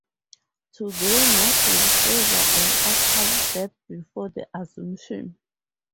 Today most would favor an actual death before the Assumption.